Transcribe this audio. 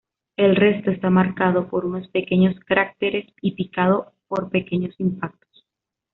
El resto está marcado por unos pequeños cráteres y picado por pequeños impactos.